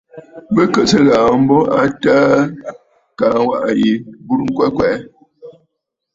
Bɨ kɨ̀ sɨ ghàà ghu mbo a təə kaa waʼà yi burə ŋkwɛ kwɛʼɛ.